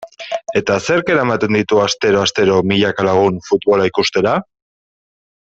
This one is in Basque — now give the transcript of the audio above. Eta zerk eramaten ditu astero-astero milaka lagun futbola ikustera?